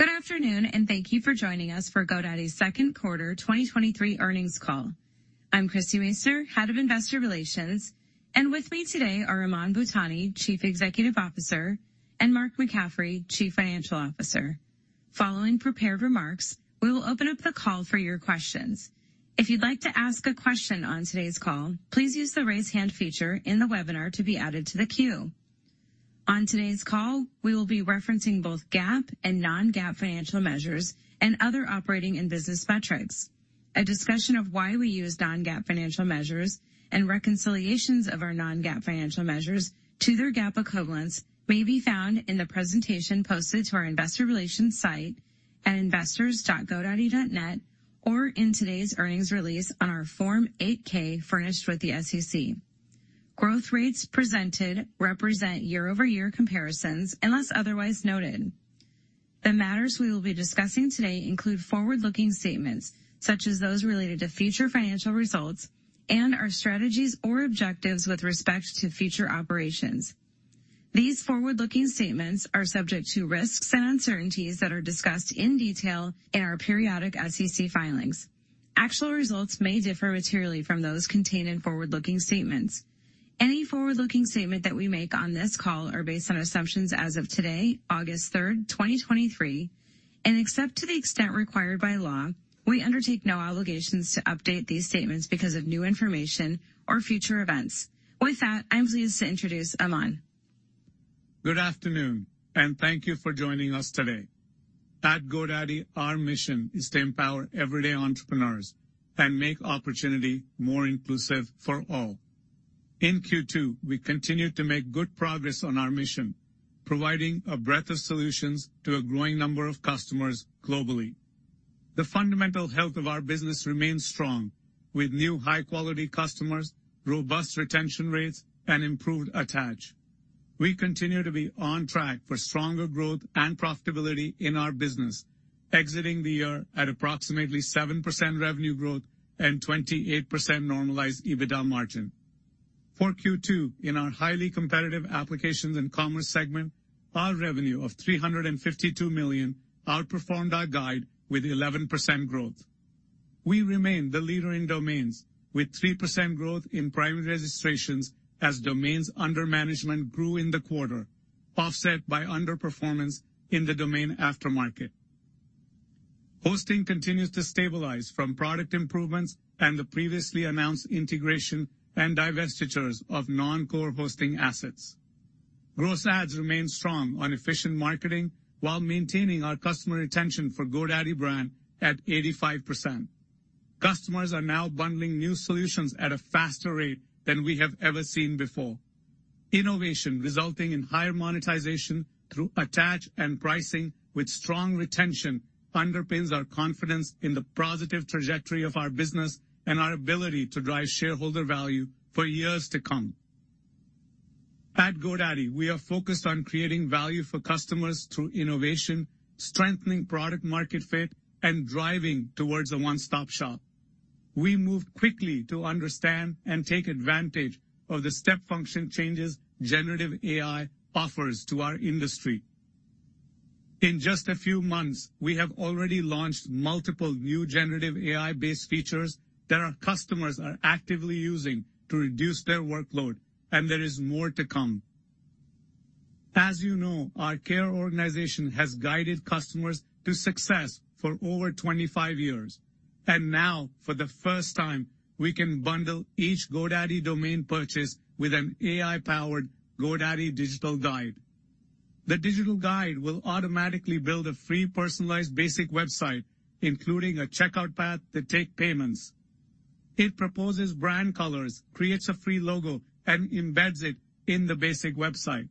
Good afternoon. Thank you for joining us for GoDaddy's second quarter 2023 earnings call. I'm Christie Masoner, Head of Investor Relations, and with me today are Aman Bhutani, Chief Executive Officer, and Mark McCaffrey, Chief Financial Officer. Following prepared remarks, we will open up the call for your questions. If you'd like to ask a question on today's call, please use the Raise Hand feature in the webinar to be added to the queue. On today's call, we will be referencing both GAAP and non-GAAP financial measures and other operating and business metrics. A discussion of why we use non-GAAP financial measures and reconciliations of our non-GAAP financial measures to their GAAP equivalents may be found in the presentation posted to our investor relations site at investors.godaddy.net or in today's earnings release on our Form 8-K furnished with the SEC. Growth rates presented represent year-over-year comparisons, unless otherwise noted. The matters we will be discussing today include forward-looking statements, such as those related to future financial results and our strategies or objectives with respect to future operations. These forward-looking statements are subject to risks and uncertainties that are discussed in detail in our periodic SEC filings. Actual results may differ materially from those contained in forward-looking statements. Any forward-looking statement that we make on this call are based on assumptions as of today, August third, 2023, and except to the extent required by law, we undertake no obligations to update these statements because of new information or future events. With that, I'm pleased to introduce Aman. Good afternoon, thank you for joining us today. At GoDaddy, our mission is to empower everyday entrepreneurs and make opportunity more inclusive for all. In Q2, we continued to make good progress on our mission, providing a breadth of solutions to a growing number of customers globally. The fundamental health of our business remains strong, with new high-quality customers, robust retention rates, and improved attach. We continue to be on track for stronger growth and profitability in our business, exiting the year at approximately 7% revenue growth and 28% normalized EBITDA margin. For Q2, in our highly competitive Applications and Commerce segment, our revenue of $352 million outperformed our guide with 11% growth. We remain the leader in domains, with 3% growth in private registrations as domains under management grew in the quarter, offset by underperformance in the domain aftermarket. Hosting continues to stabilize from product improvements and the previously announced integration and divestitures of non-core hosting assets. Gross ads remain strong on efficient marketing while maintaining our customer retention for GoDaddy at 85%. Customers are now bundling new solutions at a faster rate than we have ever seen before. Innovation, resulting in higher monetization through attach and pricing with strong retention, underpins our confidence in the positive trajectory of our business and our ability to drive shareholder value for years to come. At GoDaddy, we are focused on creating value for customers through innovation, strengthening product market fit, and driving towards a one-stop shop. We moved quickly to understand and take advantage of the step function changes generative AI offers to our industry. In just a few months, we have already launched multiple new generative AI-based features that our customers are actively using to reduce their workload, and there is more to come. As you know, our care organization has guided customers to success for over 25 years, and now, for the first time, we can bundle each GoDaddy domain purchase with an AI-powered GoDaddy Digital Guide. The Digital Guide will automatically build a free, personalized, basic website, including a checkout path to take payments. It proposes brand colors, creates a free logo, and embeds it in the basic website.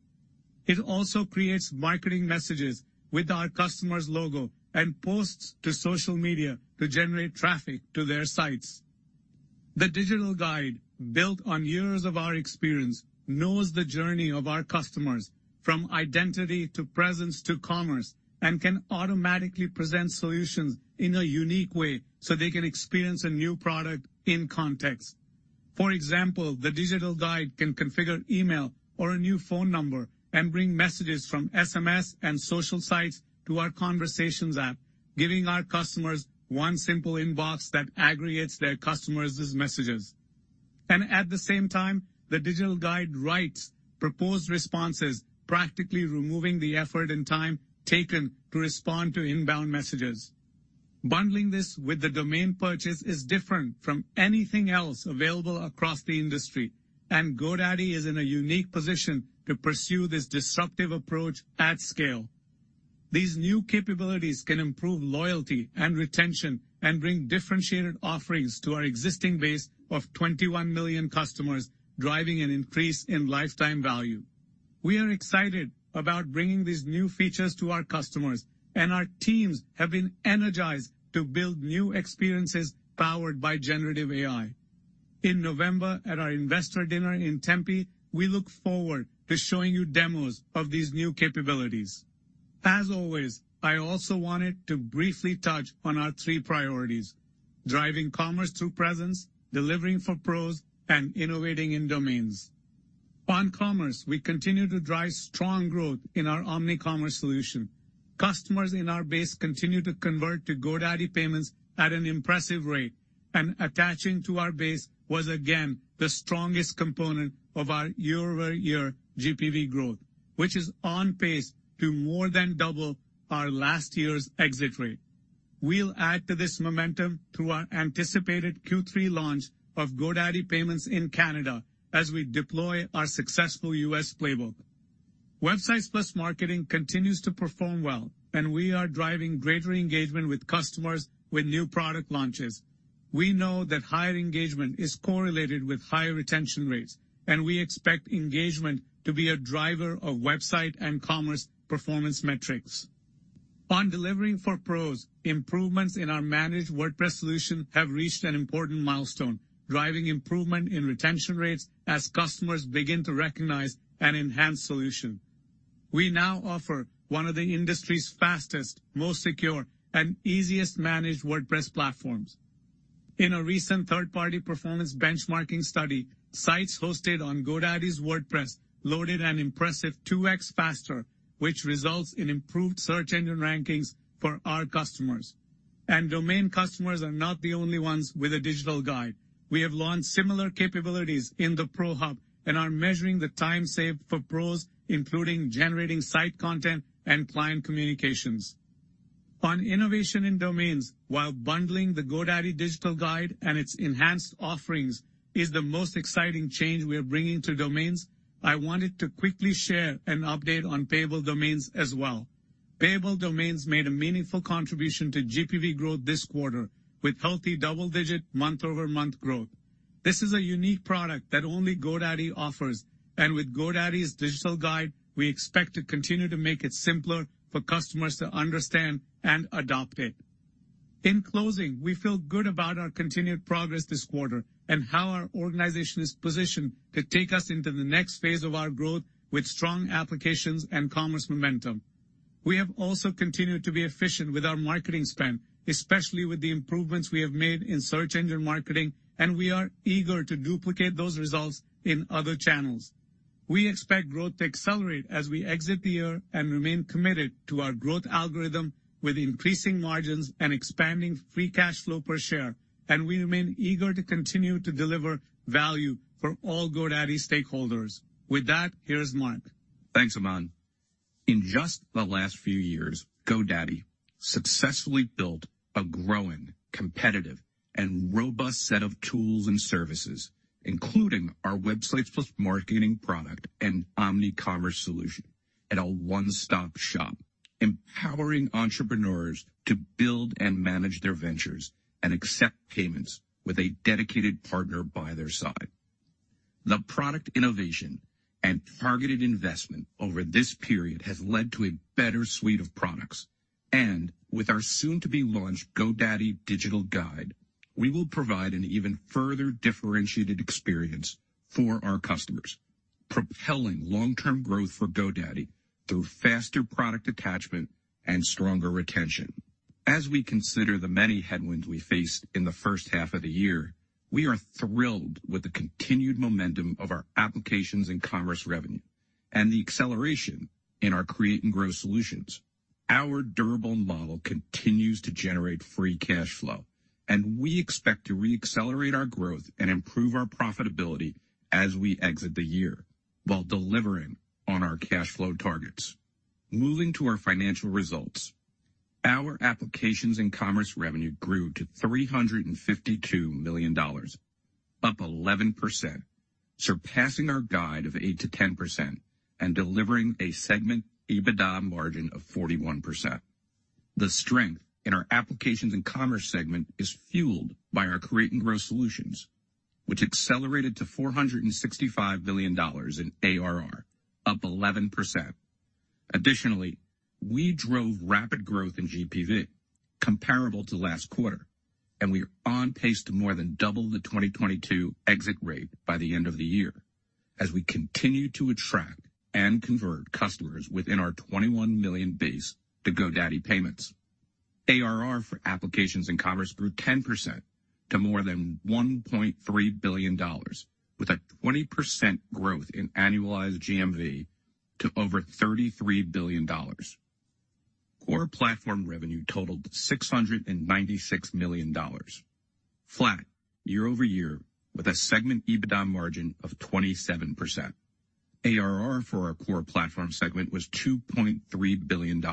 It also creates marketing messages with our customer's logo and posts to social media to generate traffic to their sites. The GoDaddy Digital Guide, built on years of our experience, knows the journey of our customers from identity, to presence, to commerce, and can automatically present solutions in a unique way so they can experience a new product in context. For example, the GoDaddy Digital Guide can configure email or a new phone number and bring messages from SMS and social sites to our GoDaddy Conversations, giving our customers one simple inbox that aggregates their customers' messages. At the same time, the GoDaddy Digital Guide writes proposed responses, practically removing the effort and time taken to respond to inbound messages. Bundling this with the domain purchase is different from anything else available across the industry. GoDaddy is in a unique position to pursue this disruptive approach at scale. These new capabilities can improve loyalty and retention and bring differentiated offerings to our existing base of 21 million customers, driving an increase in lifetime value. We are excited about bringing these new features to our customers. Our teams have been energized to build new experiences powered by generative AI. In November, at our investor dinner in Tempe, we look forward to showing you demos of these new capabilities. As always, I also wanted to briefly touch on our three priorities: driving commerce through presence, delivering for pros, and innovating in domains. On Commerce, we continue to drive strong growth in our OmniCommerce solution. Customers in our base continue to convert to GoDaddy Payments at an impressive rate. Attaching to our base was again the strongest component of our year-over-year GPV growth, which is on pace to more than double our last year's exit rate. We'll add to this momentum through our anticipated Q3 launch of GoDaddy Payments in Canada as we deploy our successful U.S. playbook. Websites + Marketing continues to perform well, and we are driving greater engagement with customers with new product launches. We know that higher engagement is correlated with higher retention rates, and we expect engagement to be a driver of website and commerce performance metrics. On delivering for pros, improvements in our Managed WordPress solution have reached an important milestone, driving improvement in retention rates as customers begin to recognize an enhanced solution. We now offer one of the industry's fastest, most secure, and easiest Managed WordPress platforms. In a recent third-party performance benchmarking study, sites hosted on GoDaddy's WordPress loaded an impressive 2x faster, which results in improved search engine rankings for our customers. Domain customers are not the only ones with a Digital Guide. We have launched similar capabilities in the Pro Hub and are measuring the time saved for pros, including generating site content and client communications. On innovation in domains, while bundling the GoDaddy Digital Guide and its enhanced offerings is the most exciting change we are bringing to domains, I wanted to quickly share an update on billable domains as well. billable domains made a meaningful contribution to GPV growth this quarter with healthy double-digit month-over-month growth. This is a unique product that only GoDaddy offers, and with GoDaddy's Digital Guide, we expect to continue to make it simpler for customers to understand and adopt it. In closing, we feel good about our continued progress this quarter and how our organization is positioned to take us into the next phase of our growth with strong Applications and Commerce momentum. We have also continued to be efficient with our marketing spend, especially with the improvements we have made in search engine marketing. We are eager to duplicate those results in other channels. We expect growth to accelerate as we exit the year and remain committed to our growth algorithm with increasing margins and expanding free cash flow per share. We remain eager to continue to deliver value for all GoDaddy stakeholders. With that, here's Mark. Thanks, Aman. In just the last few years, GoDaddy successfully built a growing, competitive, and robust set of tools and services, including our Websites + Marketing product and OmniCommerce solution, and a one-stop shop, empowering entrepreneurs to build and manage their ventures and accept payments with a dedicated partner by their side. The product innovation and targeted investment over this period has led to a better suite of products. With our soon-to-be-launched GoDaddy Digital Guide, we will provide an even further differentiated experience for our customers, propelling long-term growth for GoDaddy through faster product attachment and stronger retention. As we consider the many headwinds we faced in the first half of the year, we are thrilled with the continued momentum of our Applications and Commerce revenue and the acceleration in our Create & Grow Solutions. Our durable model continues to generate free cash flow, and we expect to reaccelerate our growth and improve our profitability as we exit the year while delivering on our cash flow targets. Moving to our financial results, our Applications and Commerce revenue grew to $352 million, up 11%, surpassing our guide of 8%-10% and delivering a segment EBITDA margin of 41%. The strength in our Applications and Commerce segment is fueled by our Create & Grow Solutions, which accelerated to $465 billion in ARR, up 11%. Additionally, we drove rapid growth in GPV comparable to last quarter, and we are on pace to more than double the 2022 exit rate by the end of the year as we continue to attract and convert customers within our 21 million base to GoDaddy Payments. ARR for Applications and Commerce grew 10% to more than $1.3 billion, with a 20% growth in annualized GMV to over $33 billion. Core Platform revenue totaled $696 million, flat year-over-year, with a segment EBITDA margin of 27%. ARR for our Core Platform segment was $2.3 billion.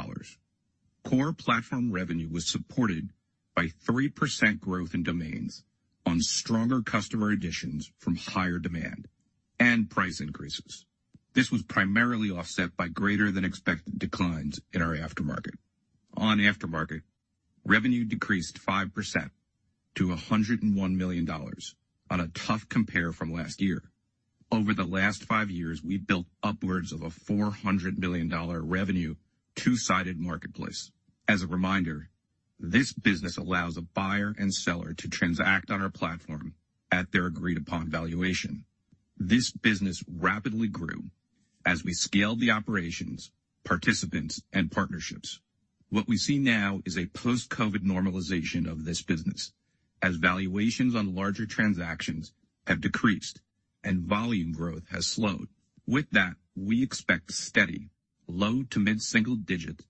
Core Platform revenue was supported by 3% growth in domains on stronger customer additions from higher demand and price increases. This was primarily offset by greater than expected declines in our aftermarket. On aftermarket, revenue decreased 5% to $101 million on a tough compare from last year. Over the last five years, we've built upwards of a $400 million revenue, two-sided marketplace. As a reminder, this business allows a buyer and seller to transact on our platform at their agreed-upon valuation. This business rapidly grew as we scaled the operations, participants, and partnerships. What we see now is a post-COVID normalization of this business, as valuations on larger transactions have decreased and volume growth has slowed. With that, we expect steady, low to mid-single-digit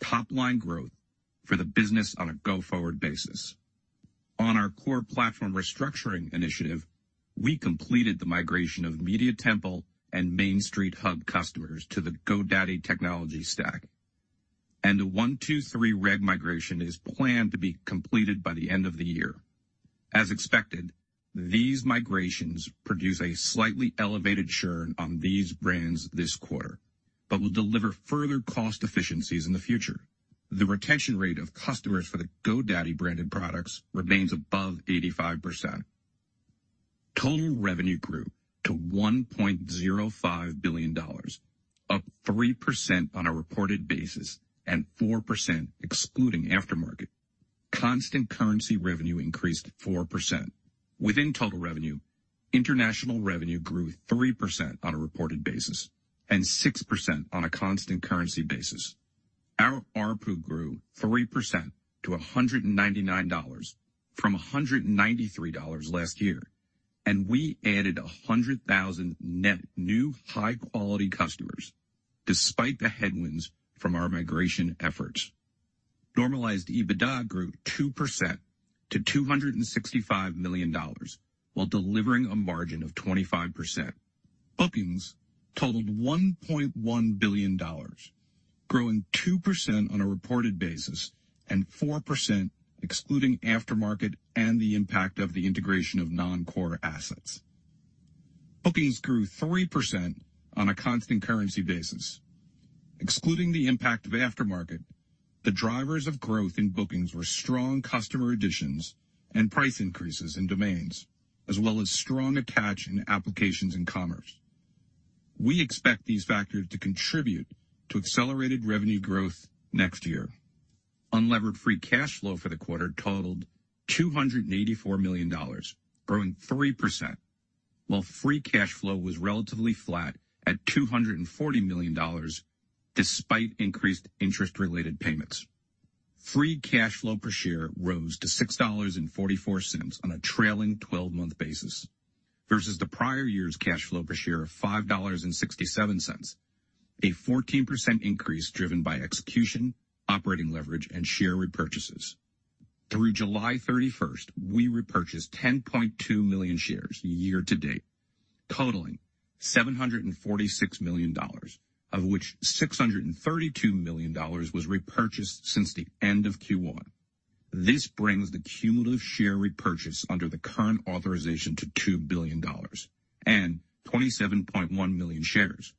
top-line growth for the business on a go-forward basis. On our Core Platform restructuring initiative, we completed the migration of Media Temple and Main Street Hub customers to the GoDaddy technology stack. The 123 Reg migration is planned to be completed by the end of the year. As expected, these migrations produce a slightly elevated churn on these brands this quarter, will deliver further cost efficiencies in the future. The retention rate of customers for the GoDaddy branded products remains above 85%. Total revenue grew to $1.05 billion, up 3% on a reported basis and 4% excluding aftermarket. Constant currency revenue increased 4%. Within total revenue, international revenue grew 3% on a reported basis and 6% on a constant currency basis. Our ARPU grew 3% to $199 from $193 last year, and we added 100,000 net new high-quality customers, despite the headwinds from our migration efforts. Normalized EBITDA grew 2% to $265 million, while delivering a margin of 25%. Bookings totaled $1.1 billion, growing 2% on a reported basis and 4% excluding aftermarket and the impact of the integration of non-core assets. Bookings grew 3% on a constant currency basis. Excluding the impact of aftermarket, the drivers of growth in bookings were strong customer additions and price increases in domains, as well as strong attach in Applications and Commerce. We expect these factors to contribute to accelerated revenue growth next year. Unlevered free cash flow for the quarter totaled $284 million, growing 3%, while free cash flow was relatively flat at $240 million, despite increased interest-related payments. Free cash flow per share rose to $6.44 on a trailing 12-month basis, versus the prior year's cash flow per share of $5.67, a 14% increase driven by execution, operating leverage, and share repurchases. Through July 31st, we repurchased 10.2 million shares year-to-date, totaling $746 million, of which $632 million was repurchased since the end of Q1. This brings the cumulative share repurchase under the current authorization to $2 billion and 27.1 million shares,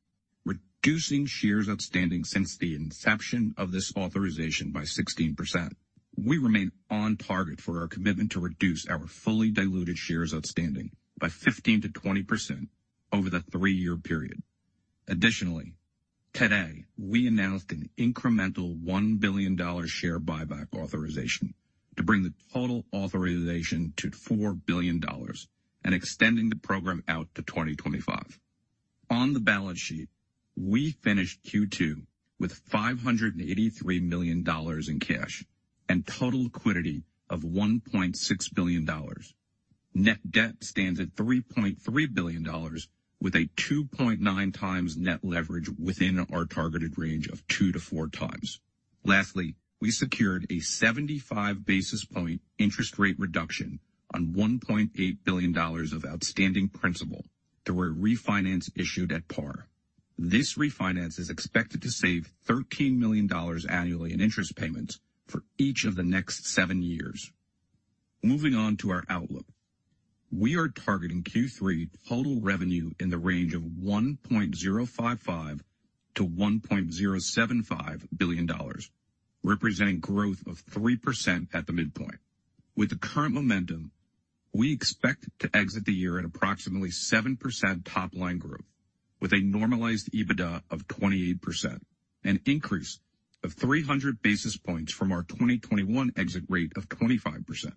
reducing shares outstanding since the inception of this authorization by 16%. We remain on target for our commitment to reduce our fully diluted shares outstanding by 15%-20% over the three-year period. Additionally, today, we announced an incremental $1 billion share buyback authorization to bring the total authorization to $4 billion and extending the program out to 2025. On the balance sheet, we finished Q2 with $583 million in cash and total liquidity of $1.6 billion. Net debt stands at $3.3 billion, with a 2.9x net leverage within our targeted range of 2x-4x. Lastly, we secured a 75 basis point interest rate reduction on $1.8 billion of outstanding principal through a refinance issued at par. This refinance is expected to save $13 million annually in interest payments for each of the next seven years. Moving on to our outlook. We are targeting Q3 total revenue in the range of $1.055 billion-$1.075 billion, representing growth of 3% at the midpoint. With the current momentum, we expect to exit the year at approximately 7% top-line growth with a normalized EBITDA of 28%, an increase of 300 basis points from our 2021 exit rate of 25%.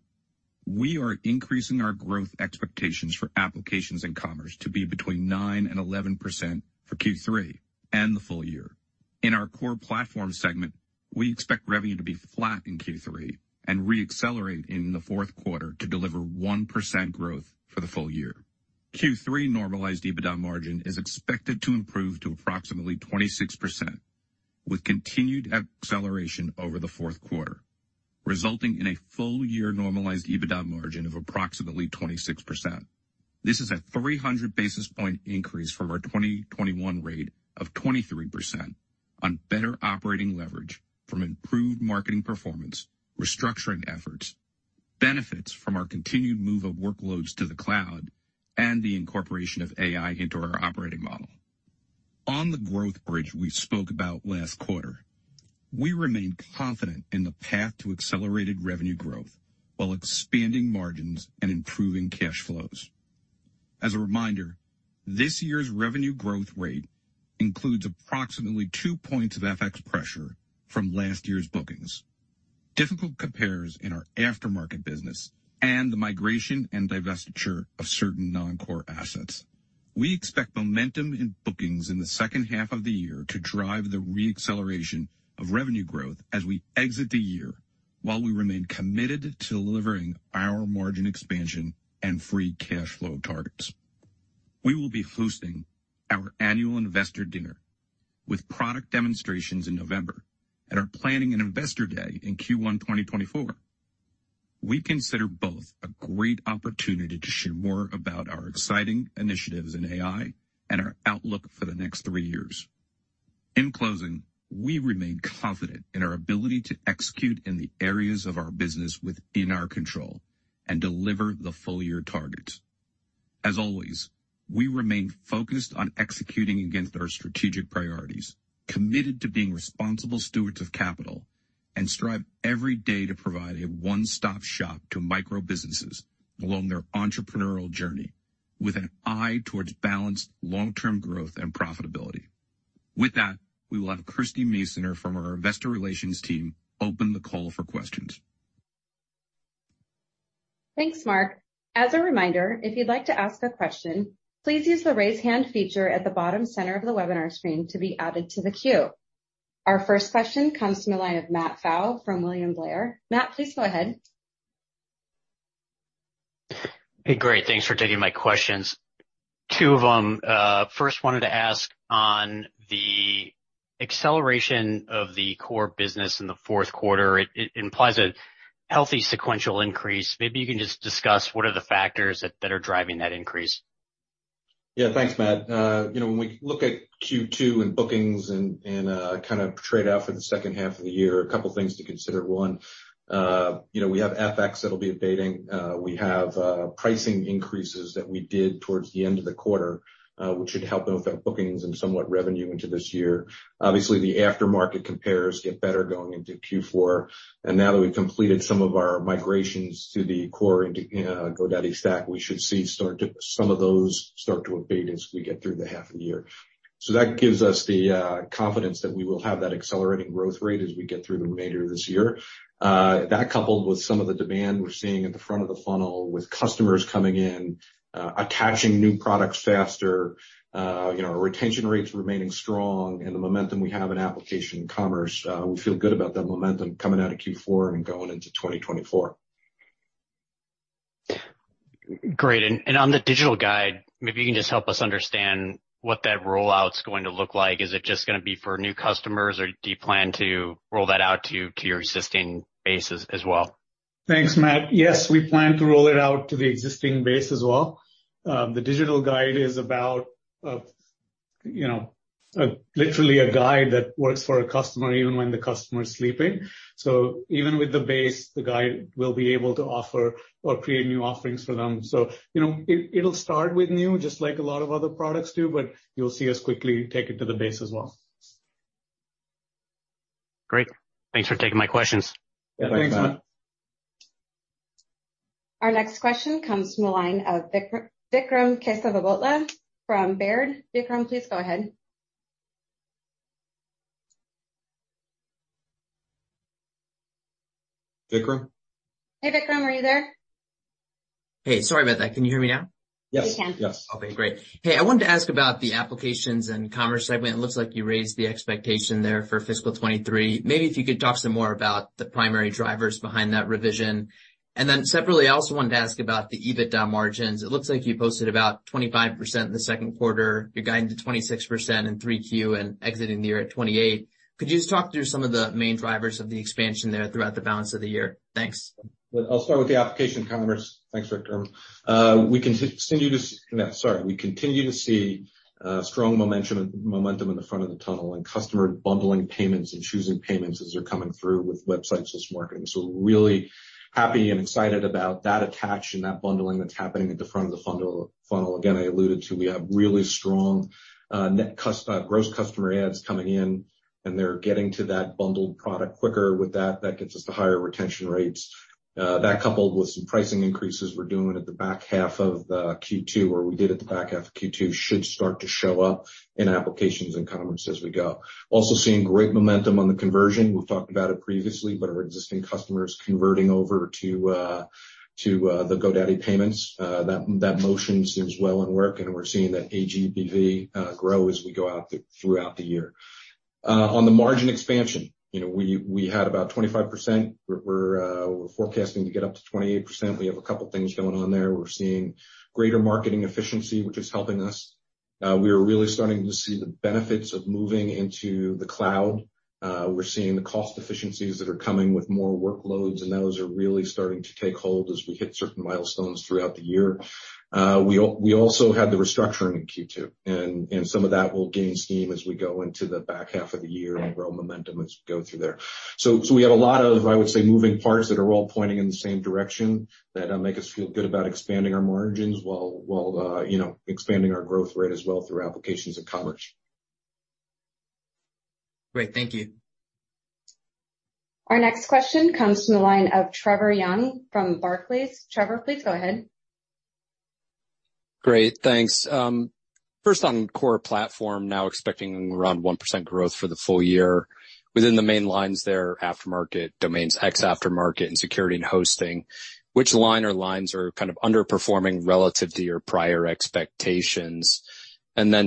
We are increasing our growth expectations for Applications and Commerce to be between 9% and 11% for Q3 and the full year. In our Core Platform segment, we expect revenue to be flat in Q3 and reaccelerate in the fourth quarter to deliver 1% growth for the full year. Q3 normalized EBITDA margin is expected to improve to approximately 26%, with continued acceleration over the fourth quarter, resulting in a full year normalized EBITDA margin of approximately 26%. This is a 300 basis point increase from our 2021 rate of 23% on better operating leverage from improved marketing performance, restructuring efforts, benefits from our continued move of workloads to the cloud, and the incorporation of AI into our operating model. On the growth bridge we spoke about last quarter, we remain confident in the path to accelerated revenue growth while expanding margins and improving cash flows. As a reminder, this year's revenue growth rate includes approximately 2 points of FX pressure from last year's bookings. Difficult compares in our aftermarket business and the migration and divestiture of certain non-core assets. We expect momentum in bookings in the second half of the year to drive the re-acceleration of revenue growth as we exit the year, while we remain committed to delivering our margin expansion and free cash flow targets. We will be hosting our annual investor dinner with product demonstrations in November, and are planning an investor day in Q1, 2024. We consider both a great opportunity to share more about our exciting initiatives in AI and our outlook for the next three years. In closing, we remain confident in our ability to execute in the areas of our business within our control and deliver the full-year targets. As always, we remain focused on executing against our strategic priorities, committed to being responsible stewards of capital, and strive every day to provide a one-stop shop to micro-businesses along their entrepreneurial journey, with an eye towards balanced, long-term growth and profitability. With that, we will have Christie Masoner from our investor relations team open the call for questions. Thanks, Mark. As a reminder, if you'd like to ask a question, please use the Raise Hand feature at the bottom center of the webinar screen to be added to the queue. Our first question comes from the line of Matt Pfau from William Blair. Matt, please go ahead. Hey, great. Thanks for taking my questions. Two of them. First, wanted to ask on the acceleration of the core business in the fourth quarter, it implies a healthy sequential increase. Maybe you can just discuss what are the factors that are driving that increase? Yeah, thanks, Matt. You know, when we look at Q2 and bookings and kind of trade out for the second half of the year, a couple of things to consider. One, you know, we have FX that'll be abating. We have pricing increases that we did towards the end of the quarter, which should help both our bookings and somewhat revenue into this year. Obviously, the aftermarket compares get better going into Q4, and now that we've completed some of our migrations to the core into GoDaddy stack, we should see some of those start to abate as we get through the half of the year. That gives us the confidence that we will have that accelerating growth rate as we get through the remainder of this year. That, coupled with some of the demand we're seeing at the front of the funnel, with customers coming in, attaching new products faster, you know, our retention rates remaining strong and the momentum we have in Applications and Commerce, we feel good about that momentum coming out of Q4 and going into 2024. Great. And on the Digital Guide, maybe you can just help us understand what that rollout is going to look like. Is it just gonna be for new customers, or do you plan to roll that out to, to your existing base as, as well? Thanks, Matt. Yes, we plan to roll it out to the existing base as well. The Digital Guide is about literally a guide that works for a customer, even when the customer is sleeping. Even with the base, the guide will be able to offer or create new offerings for them. It'll start with new, just like a lot of other products do, but you'll see us quickly take it to the base as well. Great. Thanks for taking my questions. Thanks, Matt. Our next question comes from the line of Vikram Kesavabhotla from Baird. Vikram, please go ahead. Vikram? Hey, Vikram, are you there? Hey, sorry about that. Can you hear me now? Yes. We can. Yes. Okay, great. Hey, I wanted to ask about the Applications and Commerce segment. It looks like you raised the expectation there for fiscal 2023. Maybe if you could talk some more about the primary drivers behind that revision. Separately, I also wanted to ask about the EBITDA margins. It looks like you posted about 25% in the second quarter. You're guiding to 26% in 3Q and exiting the year at 28%. Could you just talk through some of the main drivers of the expansion there throughout the balance of the year? Thanks. I'll start with the Applications and Commerce. Thanks, Vikram. We continue to, sorry. We continue to see strong momentum, momentum in the front of the tunnel and customer bundling payments and choosing payments as they're coming through with Websites + Marketing. We're really happy and excited about that attach and that bundling that's happening at the front of the funnel, funnel. Again, I alluded to, we have really strong net cust- gross customer ads coming in, and they're getting to that bundled product quicker. With that, that gets us to higher retention rates. That coupled with some pricing increases we're doing at the back half of Q2, or we did at the back half of Q2, should start to show up in Applications and Commerce as we go. Also, seeing great momentum on the conversion. We've talked about it previously, but our existing customers converting over to, to the GoDaddy Payments, that, that motion seems well in work, and we're seeing that GPV grow as we go out throughout the year. On the margin expansion, you know, we, we had about 25%. We're forecasting to get up to 28%. We have a couple things going on there. We're seeing greater marketing efficiency, which is helping us. We are really starting to see the benefits of moving into the cloud. We're seeing the cost efficiencies that are coming with more workloads, and those are really starting to take hold as we hit certain milestones throughout the year. We also had the restructuring in Q2, and some of that will gain steam as we go into the back half of the year and grow momentum as we go through there. We have a lot of, I would say, moving parts that are all pointing in the same direction, that make us feel good about expanding our margins while, you know, expanding our growth rate as well through Applications and Commerce. Great. Thank you. Our next question comes from the line of Trevor Young from Barclays. Trevor, please go ahead. Great, thanks. first on Core Platform, now expecting around 1% growth for the full year. Within the main lines there, aftermarket, domains, X aftermarket, and security and hosting, which line or lines are kind of underperforming relative to your prior expectations?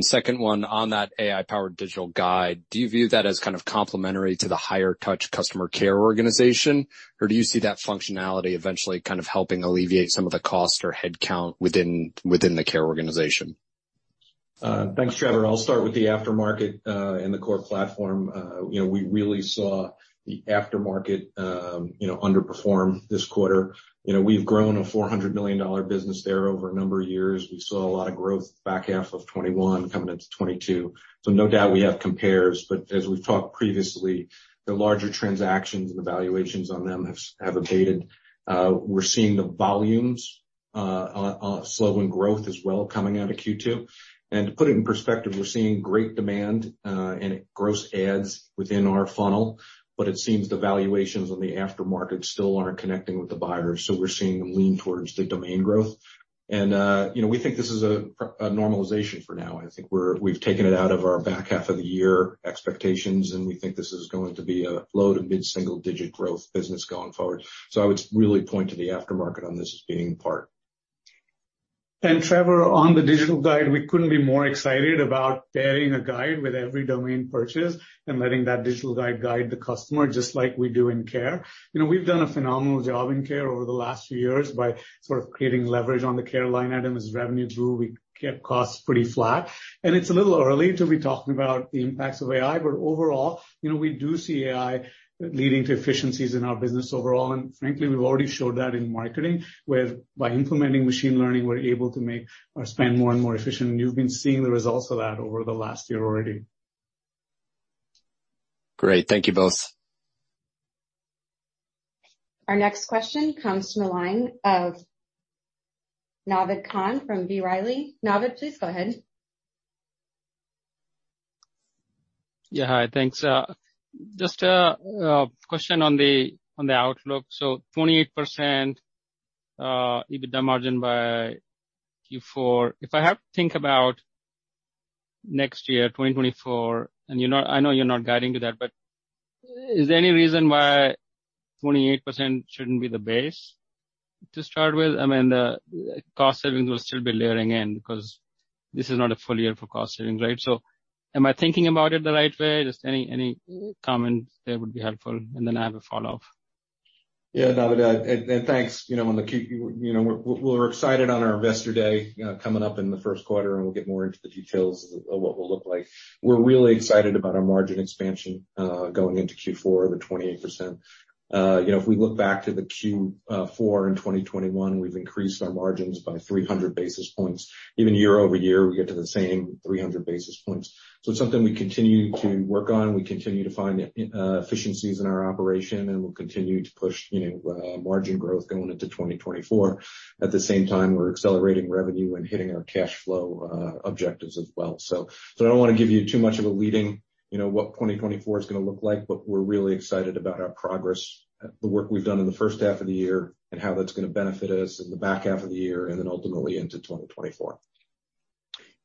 Second one, on that AI-powered Digital Guide, do you view that as kind of complementary to the higher touch customer care organization, or do you see that functionality eventually kind of helping alleviate some of the cost or headcount within, within the care organization? Thanks, Trevor. I'll start with the aftermarket and the Core Platform. You know, we really saw the aftermarket, you know, underperform this quarter. You know, we've grown a $400 million business there over a number of years. We saw a lot of growth back half of 2021 coming into 2022. No doubt we have compares, but as we've talked previously, the larger transactions and evaluations on them have abated. We're seeing the volumes slow in growth as well, coming out of Q2. To put it in perspective, we're seeing great demand and gross adds within our funnel, but it seems the valuations on the aftermarket still aren't connecting with the buyers, so we're seeing them lean towards the domain growth. You know, we think this is a, a normalization for now, and I think we've taken it out of our back half of the year expectations, and we think this is going to be a low to mid-single digit growth business going forward. I would really point to the aftermarket on this as being the part. Trevor, on the Digital Guide, we couldn't be more excited about pairing a guide with every domain purchase and letting that Digital Guide guide the customer, just like we do in care. You know, we've done a phenomenal job in care over the last few years by sort of creating leverage on the care line item. As revenue grew, we kept costs pretty flat. It's a little early to be talking about the impacts of AI, but overall, you know, we do see AI leading to efficiencies in our business overall, and frankly, we've already showed that in marketing, where by implementing machine learning, we're able to make our spend more and more efficient, and you've been seeing the results of that over the last year already. Great. Thank you both. Our next question comes from the line of Naved Khan from B. Riley. Naved, please go ahead. Yeah, hi, thanks. Just a question on the outlook. 28% EBITDA margin by Q4. If I have to think about next year, 2024, you're not... I know you're not guiding to that, but is there any reason why 28% shouldn't be the base to start with? I mean, the cost savings will still be layering in, because this is not a full year for cost savings, right? Am I thinking about it the right way? Just any, any comments there would be helpful. Then I have a follow-up. Yeah, Naved, and thanks. You know, on the Q, you know, we're, we're excited on our investor day, coming up in the first quarter, and we'll get more into the details of, of what we'll look like. We're really excited about our margin expansion, going into Q4 over 28%. You know, if we look back to the Q 4 in 2021, we've increased our margins by 300 basis points. Even year-over-year, we get to the same 300 basis points. It's something we continue to work on. We continue to find efficiencies in our operation, and we'll continue to push, you know, margin growth going into 2024. At the same time, we're accelerating revenue and hitting our cash flow objectives as well. So I don't want to give you too much of a leading, you know, what 2024 is gonna look like, but we're really excited about our progress, the work we've done in the first half of the year, and how that's gonna benefit us in the back half of the year and then ultimately into 2024.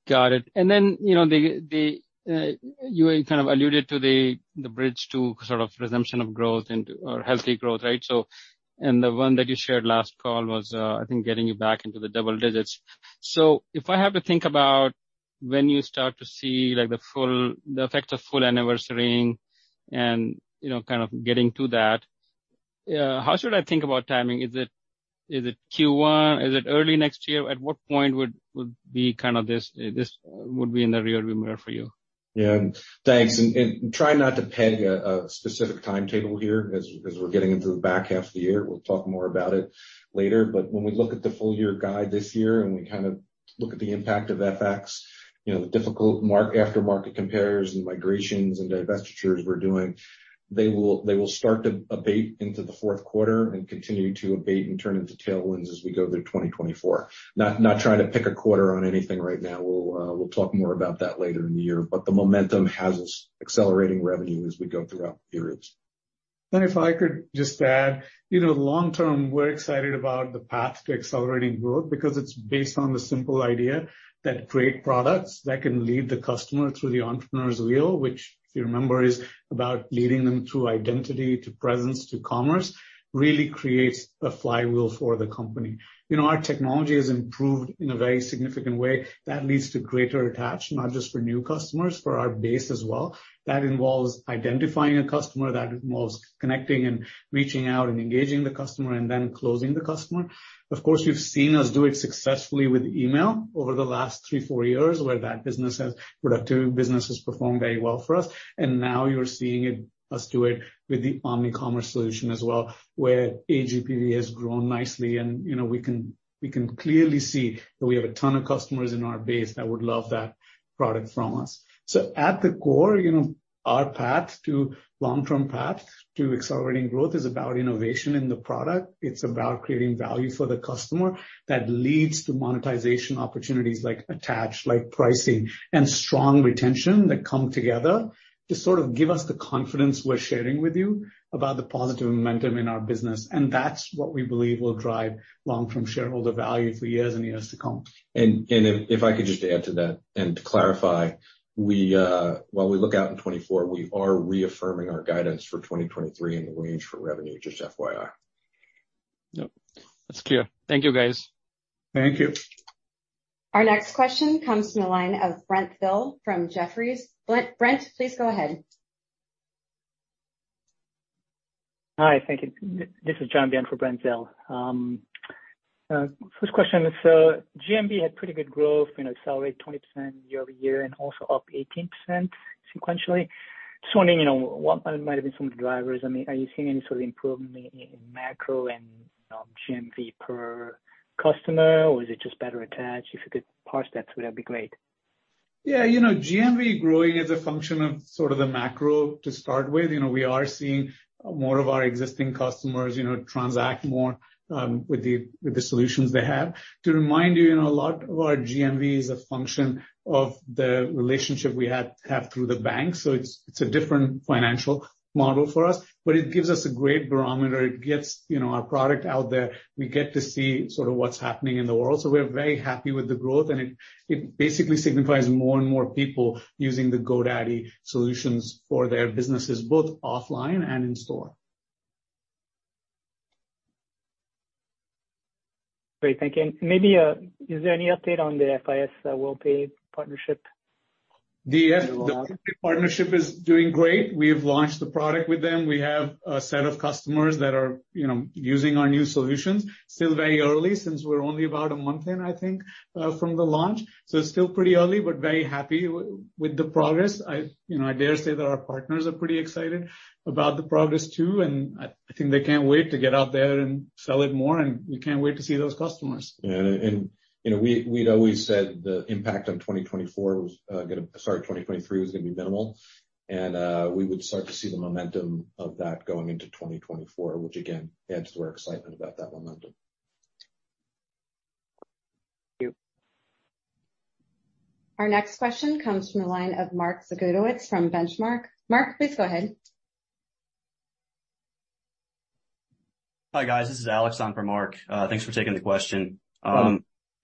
Got it. Then, you know, the, the, you kind of alluded to the, the bridge to sort of resumption of growth into or healthy growth, right? The one that you shared last call was, I think, getting you back into the double digits. If I have to think about when you start to see, like, the full, the effects of full anniversarying and, you know, kind of getting to that, how should I think about timing? Is it, is it Q1? Is it early next year? At what point would, would be kind of this, this would be in the rearview mirror for you? Yeah. Thanks, and, and try not to peg a, a specific timetable here. As, as we're getting into the back half of the year, we'll talk more about it later. When we look at the full year guide this year, and we kind of look at the impact of FX, you know, the difficult aftermarket comparers and migrations and divestitures we're doing, they will, they will start to abate into the fourth quarter and continue to abate and turn into tailwinds as we go through 2024. Not, not trying to pick a quarter on anything right now. We'll, we'll talk more about that later in the year, but the momentum has us accelerating revenue as we go throughout the periods. If I could just add, you know, long term, we're excited about the path to accelerating growth because it's based on the simple idea that great products that can lead the customer through the entrepreneur's wheel, which, if you remember, is about leading them through identity, to presence, to commerce, really creates a flywheel for the company. You know, our technology has improved in a very significant way. That leads to greater attach, not just for new customers, for our base as well. That involves identifying a customer, that involves connecting and reaching out and engaging the customer and then closing the customer. Of course, you've seen us do it successfully with email over the last three, four years, where that business has. Productive business has performed very well for us. Now you're seeing us do it with the OmniCommerce solution as well, where GPV has grown nicely. You know, we can clearly see that we have a ton of customers in our base that would love that product from us. At the core, you know, our path to long-term path to accelerating growth is about innovation in the product. It's about creating value for the customer that leads to monetization opportunities like attach, like pricing, and strong retention that come together to sort of give us the confidence we're sharing with you about the positive momentum in our business. That's what we believe will drive long-term shareholder value for years and years to come. If, if I could just add to that, and to clarify, we, while we look out in 2024, we are reaffirming our guidance for 2023 in the range for revenue, just FYI. Yep, that's clear. Thank you, guys. Thank you. Our next question comes from the line of Brent Thill from Jefferies. Brent, Brent, please go ahead. Hi, thank you. This is John on behalf of Brent Thill. First question is, GMV had pretty good growth, you know, accelerated 20% year-over-year and also up 18% sequentially. Just wondering, you know, what might have been some of the drivers. I mean, are you seeing any sort of improvement in, in macro and, GMV per customer, or is it just better attached? If you could parse that, that'd be great. Yeah, you know, GMV growing is a function of sort of the macro to start with. You know, we are seeing more of our existing customers, you know, transact more with the, with the solutions they have. To remind you, you know, a lot of our GMV is a function of the relationship we have through the bank, so it's, it's a different financial model for us, but it gives us a great barometer. It gets, you know, our product out there. We get to see sort of what's happening in the world. We're very happy with the growth, and it, it basically signifies more and more people using the GoDaddy solutions for their businesses, both offline and in store. Great, thank you. Maybe, is there any update on the FIS Worldpay partnership? The FIS partnership is doing great. We've launched the product with them. We have a set of customers that are, you know, using our new solutions. Still very early, since we're only about a month in, I think, from the launch. It's still pretty early, but very happy with the progress. I, you know, I dare say that our partners are pretty excited about the progress, too, and I, I think they can't wait to get out there and sell it more, and we can't wait to see those customers. Yeah, you know, we've always said the impact on 2024 was Sorry, 2023, was gonna be minimal, and we would start to see the momentum of that going into 2024, which again, adds to our excitement about that momentum. Thank you. Our next question comes from the line of Mark Zgutowicz from Benchmark. Mark, please go ahead. Hi, guys. This is Alex on for Mark. Thanks for taking the question. You're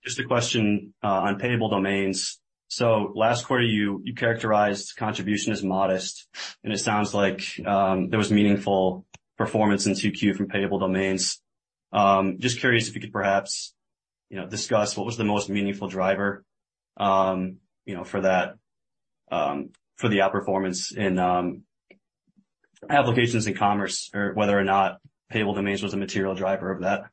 welcome. Just a question on billable domains. Last quarter, you, you characterized contribution as modest, and it sounds like there was meaningful performance in 2Q from billable domains. Just curious if you could perhaps, you know, discuss what was the most meaningful driver, you know, for that, for the outperformance in Applications and Commerce, or whether or not billable domains was a material driver of that?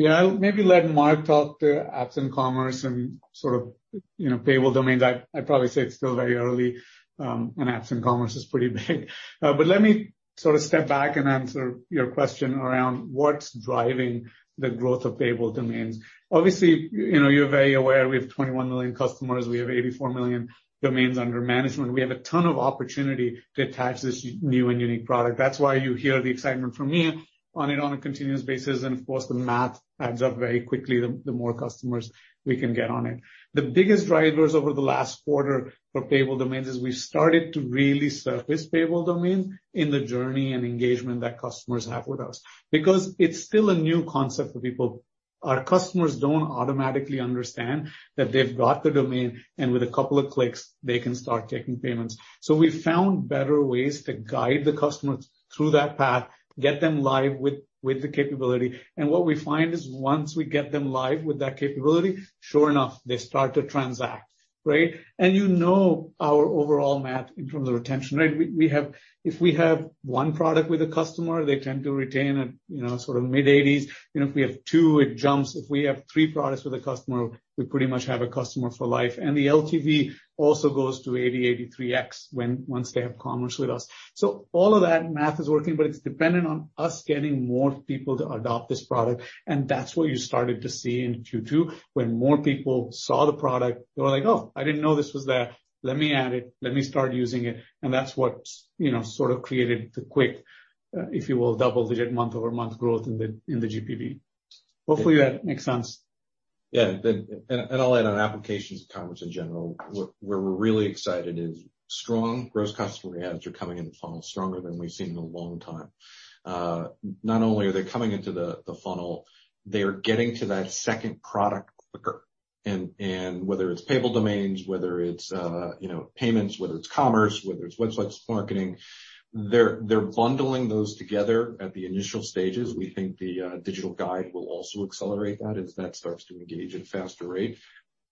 Yeah, I'll maybe let Mark talk to Apps and Commerce and sort of, you know, billable domains. I'd probably say it's still very early, and Apps and Commerce is pretty big. But let me sort of step back and answer your question around what's driving the growth of billable domains. Obviously, you know, you're very aware we have 21 million customers, we have 84 million domains under management. We have a ton of opportunity to attach this new and unique product. That's why you hear the excitement from me on it on a continuous basis, and of course, the math adds up very quickly, the more customers we can get on it. The biggest drivers over the last quarter for billable domains is we started to really surface billable domain in the journey and engagement that customers have with us. It's still a new concept for people, our customers don't automatically understand that they've got the domain, and with a couple of clicks, they can start taking payments. We found better ways to guide the customers through that path, get them live with the capability, and what we find is once we get them live with that capability, sure enough, they start to transact, right? You know our overall math in terms of retention, right? We have If we have one product with a customer, they tend to retain at, you know, sort of mid-80s. You know, if we have two, it jumps. If we have three products with a customer, we pretty much have a customer for life, and the LTV also goes to 80x-83x once they have commerce with us. All of that math is working, but it's dependent on us getting more people to adopt this product. That's what you started to see in Q2. When more people saw the product, they were like, "Oh, I didn't know this was there. Let me add it. Let me start using it." That's what's, you know, sort of created the quick, if you will, double-digit month-over-month growth in the, in the GPV. Hopefully, that makes sense. Yeah. And, and I'll add on Applications and Commerce in general, where, where we're really excited is strong gross customer adds are coming in the funnel, stronger than we've seen in a long time. Not only are they coming into the, the funnel, they are getting to that second product quicker. And whether it's billable domains, whether it's, you know, payments, whether it's commerce, whether it's Websites + Marketing, they're, they're bundling those together at the initial stages. We think the Digital Guide will also accelerate that as that starts to engage at a faster rate.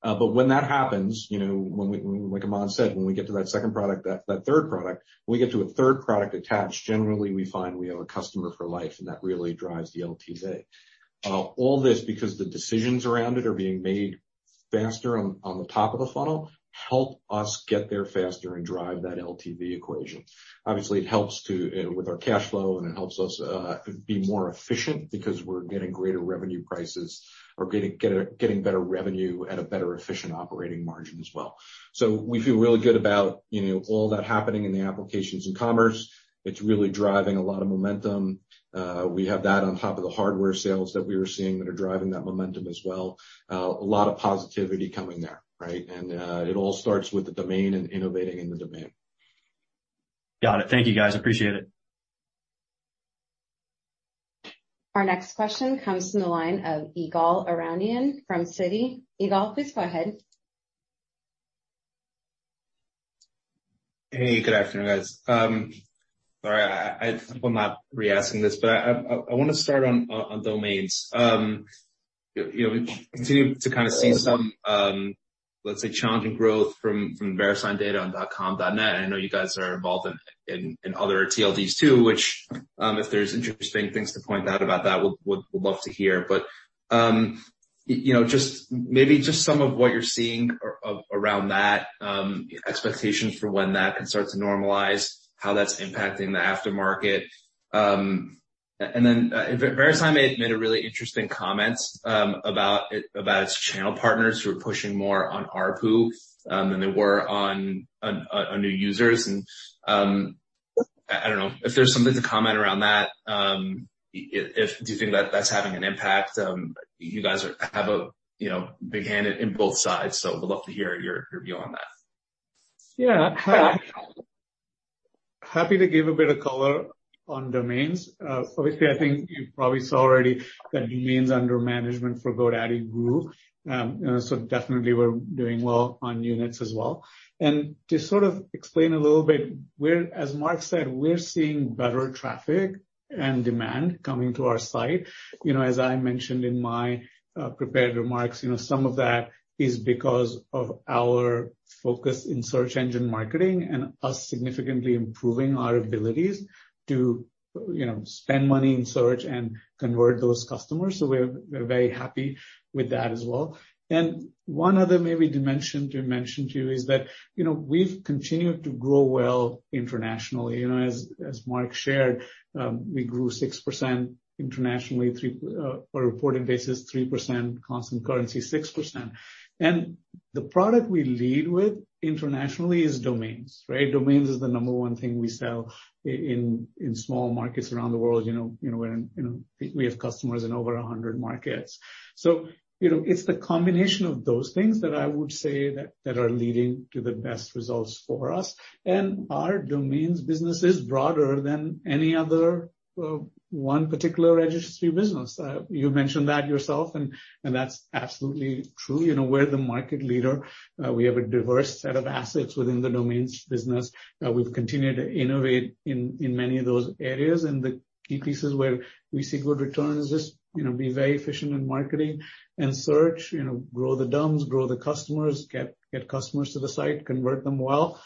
But when that happens, you know, when we Like Aman said, when we get to that second product, that, that third product, when we get to a third product attached, generally we find we have a customer for life, and that really drives the LTV. All this because the decisions around it are being made faster on, on the top of the funnel, help us get there faster and drive that LTV equation. Obviously, it helps to with our cash flow, it helps us be more efficient because we're getting greater revenue prices or getting better revenue at a better efficient operating margin as well. We feel really good about, you know, all that happening in the Applications and Commerce. It's really driving a lot of momentum. We have that on top of the hardware sales that we were seeing that are driving that momentum as well. A lot of positivity coming there, right? It all starts with the domain and innovating in the domain. Got it. Thank you, guys. Appreciate it. Our next question comes from the line of Ygal Arounian from Citi. Ygal, please go ahead. Hey, good afternoon, guys. Sorry, I'm not reasking this, but I wanna start on domains. You know, we continue to kind of see some, let's say, challenging growth from VeriSign data on .com, .net. I know you guys are involved in other TLDs, too, which, if there's interesting things to point out about that, would love to hear. You know, just maybe some of what you're seeing around that, expectations for when that can start to normalize, how that's impacting the aftermarket. VeriSign may have made a really interesting comment about its channel partners who are pushing more on ARPU than they were on new users. I, I don't know if there's something to comment around that. Do you think that that's having an impact? You guys have a, you know, big hand in, in both sides, so would love to hear your, your view on that. Yeah. Happy to give a bit of color on domains. Obviously, I think you probably saw already that domains under management for GoDaddy grew. Definitely we're doing well on units as well. To sort of explain a little bit, we're, as Mark said, we're seeing better traffic and demand coming to our site. You know, as I mentioned in my prepared remarks, you know, some of that is because of our focus in search engine marketing and us significantly improving our abilities to, you know, spend money in search and convert those customers. We're, we're very happy with that as well. One other maybe dimension to mention to you is that, you know, we've continued to grow well internationally. You know, as, as Mark shared, we grew 6% internationally, 3, on a reporting basis, 3%, constant currency, 6%. The product we lead with internationally is domains, right? Domains is the number one thing we sell in small markets around the world, you know, you know, when, you know, we have customers in over 100 markets. You know, it's the combination of those things that I would say that, that are leading to the best results for us. Our domains business is broader than any other one particular registry business. You mentioned that yourself, and that's absolutely true. You know, we're the market leader. We have a diverse set of assets within the domains business. We've continued to innovate in, in many of those areas, and the key pieces where we see good returns is, you know, be very efficient in marketing and search, you know, grow the DOMs, grow the customers, get, get customers to the site, convert them well,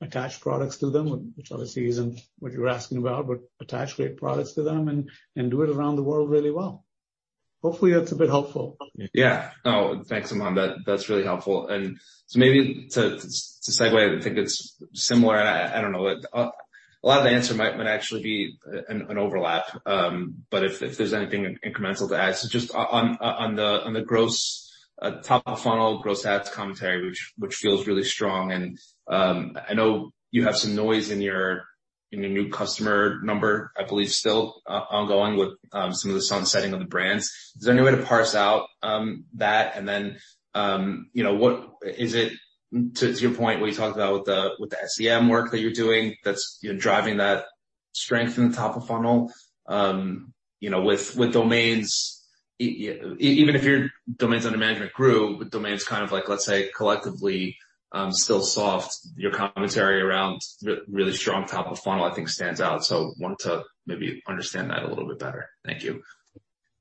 attach products to them, which obviously isn't what you're asking about, but attach great products to them and, and do it around the world really well. Hopefully, that's a bit helpful. Yeah. Oh, thanks, Aman, that, that's really helpful. So maybe to, to segue, I think it's similar. I, I don't know, a lot of the answer might, might actually be an, an overlap, but if, if there's anything incremental to add. Just on, on the, on the gross, top of funnel, gross ads commentary, which, which feels really strong, and I know you have some noise in your, in your new customer number, I believe, still, ongoing with, some of the sunsetting of the brands. Is there any way to parse out that? Then, you know, what is it, to, to your point, where you talked about with the, with the SEM work that you're doing, that's, you know, driving that strength in the top of funnel. You know, with, with domains, even if your domains under management grew, with domains kind of like, let's say, collectively, still soft, your commentary around really strong top of funnel, I think, stands out. Wanted to maybe understand that a little bit better. Thank you.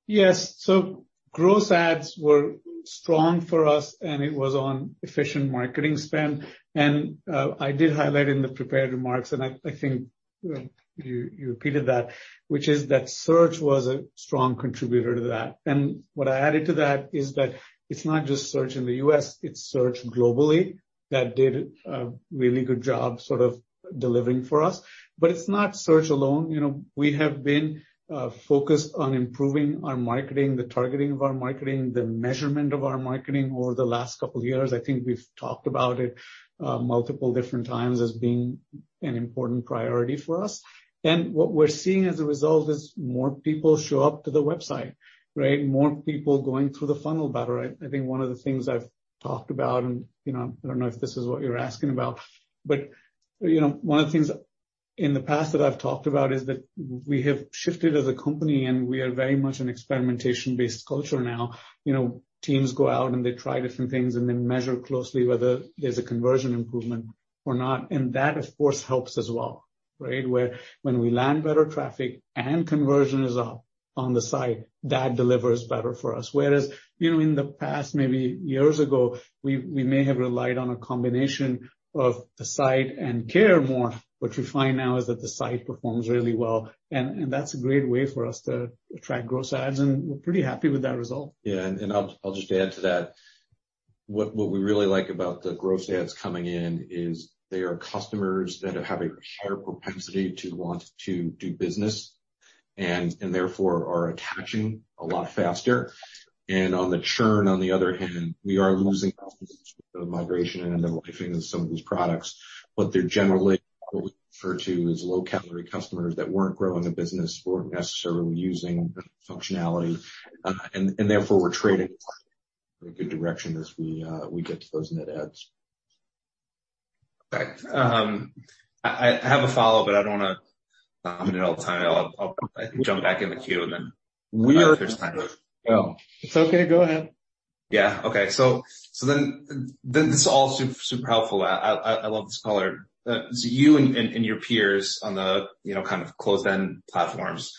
Yes. Gross ads were strong for us, and it was on efficient marketing spend. I did highlight in the prepared remarks, and I, I think you, you repeated that, which is that search was a strong contributor to that. What I added to that is that it's not just search in the U.S., it's search globally that did a really good job sort of delivering for us. It's not search alone. You know, we have been focused on improving our marketing, the targeting of our marketing, the measurement of our marketing over the last couple of years. I think we've talked about it multiple different times as being an important priority for us. What we're seeing as a result is more people show up to the website, right? More people going through the funnel better. I think one of the things I've talked about. You know, I don't know if this is what you're asking about. You know, one of the things in the past that I've talked about is that we have shifted as a company. We are very much an experimentation-based culture now. You know, teams go out. They try different things. Then measure closely whether there's a conversion improvement or not. That, of course, helps as well, right? Where when we land better traffic and conversion is up on the site, that delivers better for us. Whereas, you know, in the past, maybe years ago, we may have relied on a combination of the site and care more. What we find now is that the site performs really well, and that's a great way for us to attract gross ads, and we're pretty happy with that result. Yeah, and, and I'll, I'll just add to that. What, what we really like about the gross ads coming in is they are customers that have a higher propensity to want to do business and, and therefore, are attaching a lot faster. On the churn, on the other hand, we are losing customers with the migration and the lifing of some of these products, but they're generally what we refer to as low-calorie customers that weren't growing the business or necessarily using the functionality, and, and therefore, we're trading in a good direction as we get to those net ads. Okay. I have a follow-up, but I don't wanna. I'll jump back in the queue, and then there's time. Well, it's okay, go ahead. Yeah. Okay. This is all super, super helpful. I love this color. You and your peers on the, you know, kind of closed-end platforms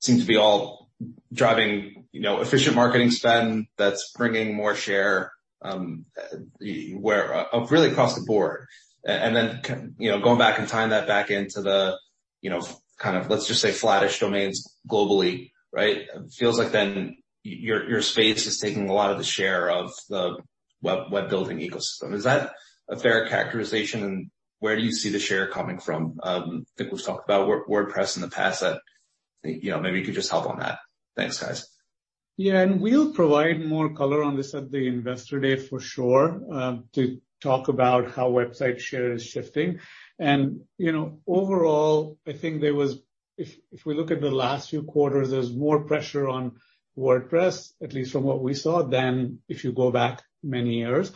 seem to be all driving, you know, efficient marketing spend that's bringing more share, where really across the board. You know, going back and tying that back into the, you know, kind of, let's just say, flattish domains globally, right? It feels like then your, your space is taking a lot of the share of the web building ecosystem. Is that a fair characterization, and where do you see the share coming from? I think we've talked about WordPress in the past that, you know, maybe you could just help on that. Thanks, guys. Yeah, we'll provide more color on this at the investor day for sure, to talk about how website share is shifting. You know, overall, I think there was... If, if we look at the last few quarters, there's more pressure on WordPress, at least from what we saw, than if you go back many years.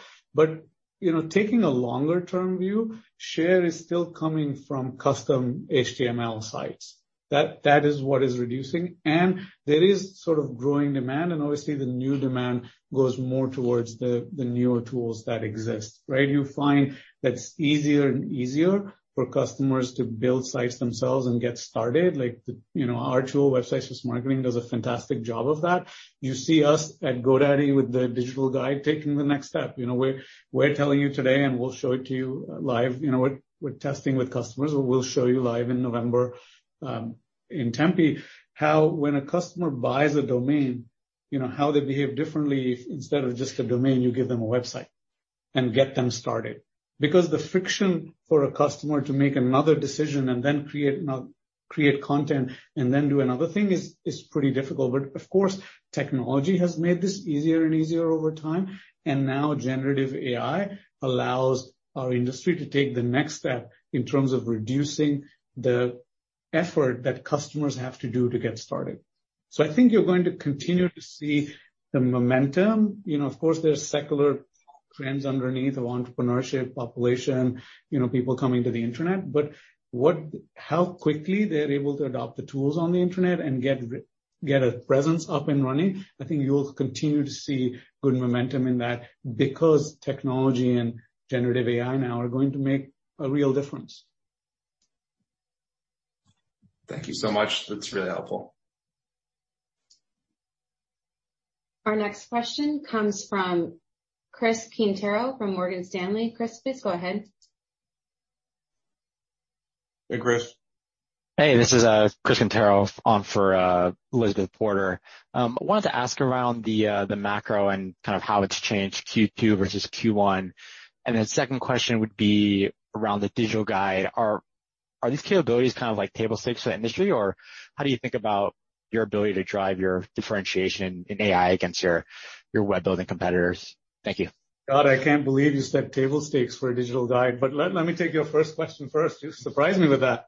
You know, taking a longer-term view, share is still coming from custom HTML sites. That, that is what is reducing, and there is sort of growing demand, and obviously, the new demand goes more towards the, the newer tools that exist, right? You find that it's easier and easier for customers to build sites themselves and get started, like, you know, our tool, Websites + Marketing, does a fantastic job of that. You see us at GoDaddy with the Digital Guide, taking the next step. You know, we're, we're telling you today, and we'll show it to you live, you know, we're, we're testing with customers, we'll show you live in November, in Tempe, how when a customer buys a domain, you know, how they behave differently if instead of just a domain, you give them a website and get them started. Because the friction for a customer to make another decision and then create, not create content and then do another thing is, is pretty difficult. But of course, technology has made this easier and easier over time, and now generative AI allows our industry to take the next step in terms of reducing the effort that customers have to do to get started. So I think you're going to continue to see the momentum. You know, of course, there's secular trends underneath of entrepreneurship, population, you know, people coming to the Internet, but how quickly they're able to adopt the tools on the Internet and get a presence up and running, I think you'll continue to see good momentum in that because technology and generative AI now are going to make a real difference. Thank you so much. That's really helpful. Our next question comes from Chris Quintero from Morgan Stanley. Chris, please go ahead. Hey, Chris. Hey, this is Chris Quintero on for Elizabeth Porter. I wanted to ask around the macro and kind of how it's changed Q2 versus Q1. Then second question would be around the GoDaddy Digital Guide. Are these capabilities kind of like table stakes for the industry, or how do you think about your ability to drive your differentiation in AI against your web building competitors? Thank you. God, I can't believe you said table stakes for a Digital Guide, but let, let me take your first question first. You surprised me with that.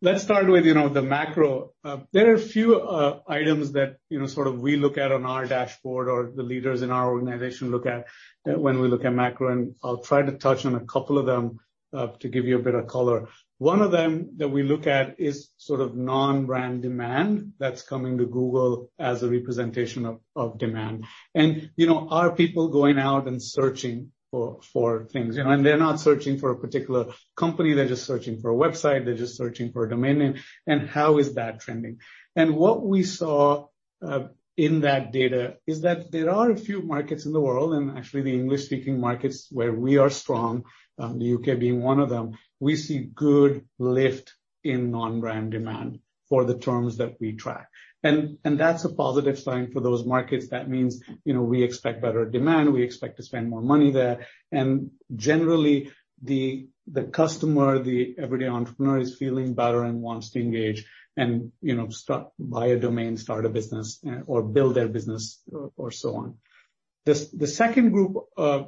Let's start with, you know, the macro. There are a few items that, you know, sort of we look at on our dashboard or the leaders in our organization look at when we look at macro, and I'll try to touch on a couple of them to give you a bit of color. One of them that we look at is sort of non-brand demand that's coming to Google as a representation of, of demand. You know, are people going out and searching for, for things? You know, they're not searching for a particular company, they're just searching for a website, they're just searching for a domain name, and how is that trending? What we saw in that data is that there are a few markets in the world, actually the English-speaking markets, where we are strong, the U.K. being one of them, we see good lift in non-brand demand for the terms that we track. That's a positive sign for those markets. That means, you know, we expect better demand, we expect to spend more money there. Generally, the customer, the everyday entrepreneur, is feeling better and wants to engage and, you know, start, buy a domain, start a business, or build their business or so on. The second group,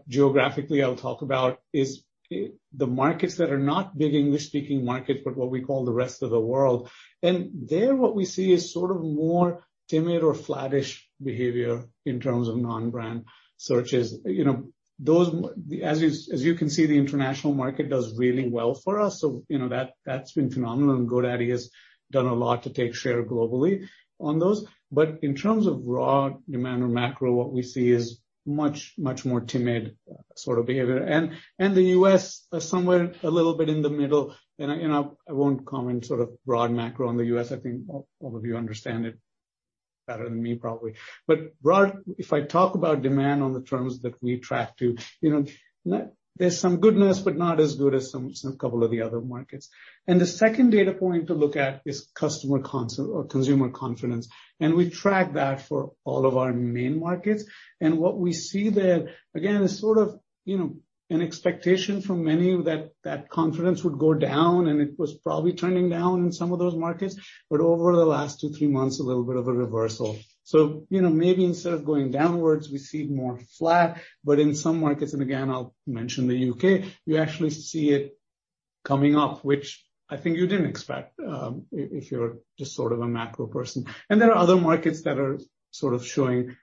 geographically, I'll talk about is the markets that are not big English-speaking markets, but what we call the rest of the world. There, what we see is sort of more timid or flattish behavior in terms of non-brand searches. You know, as you can see, the international market does really well for us, so you know, that's been phenomenal, and GoDaddy has done a lot to take share globally on those. In terms of raw demand or macro, what we see is much, much more timid sort of behavior. The U.S. are somewhere a little bit in the middle, and I, I won't comment sort of broad macro on the U.S. I think all of you understand it better than me, probably. Broad, if I talk about demand on the terms that we track to, you know, there's some goodness, but not as good as some couple of the other markets. The second data point to look at is customer or consumer confidence, and we track that for all of our main markets. What we see there, again, is sort of, you know, an expectation from many that that confidence would go down, and it was probably turning down in some of those markets, but over the last two, three months, a little bit of a reversal. You know, maybe instead of going downwards, we see more flat, but in some markets, and again, I'll mention the U.K., you actually see it coming up, which I think you didn't expect, if, if you're just sort of a macro person. There are other markets that are sort of showing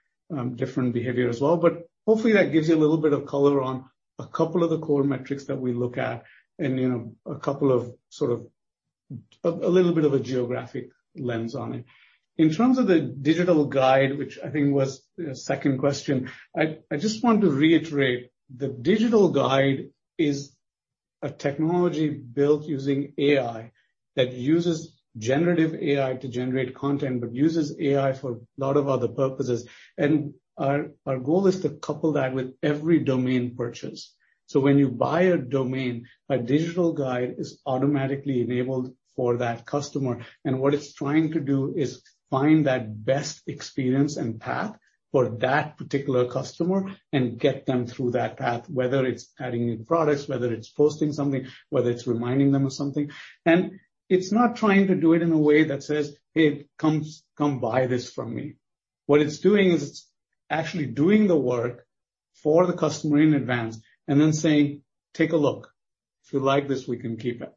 different behavior as well, but hopefully, that gives you a little bit of color on a couple of the core metrics that we look at and, you know, a couple of sort of, a little bit of a geographic lens on it. In terms of the Digital Guide, which I think was the second question, I just want to reiterate, the Digital Guide is a technology built using AI, that uses generative AI to generate content, but uses AI for a lot of other purposes. Our goal is to couple that with every domain purchase. When you buy a domain, a Digital Guide is automatically enabled for that customer, and what it's trying to do is find that best experience and path for that particular customer and get them through that path, whether it's adding new products, whether it's posting something, whether it's reminding them of something. It's not trying to do it in a way that says, "Hey, come, come buy this from me." What it's doing is it's actually doing the work for the customer in advance and then saying, "Take a look. If you like this, we can keep it."